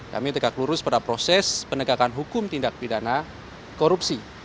kami tegak lurus pada proses penegakan hukum tindak pidana korupsi